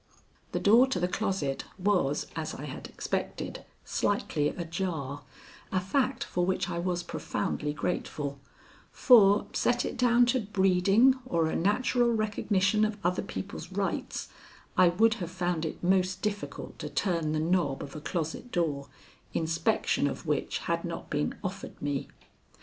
The door to the closet was, as I had expected, slightly ajar, a fact for which I was profoundly grateful, for, set it down to breeding or a natural recognition of other people's rights, I would have found it most difficult to turn the knob of a closet door, inspection of which had not been offered me.